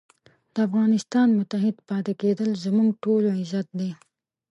د افغانستان متحد پاتې کېدل زموږ ټولو عزت دی.